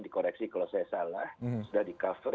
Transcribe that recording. dikoreksi kalau saya salah sudah di cover